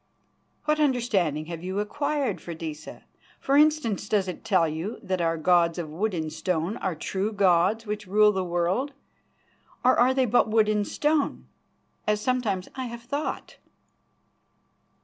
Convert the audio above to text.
"What understanding have you acquired, Freydisa? For instance, does it tell you that our gods of wood and stone are true gods which rule the world? Or are they but wood and stone, as sometimes I have thought?"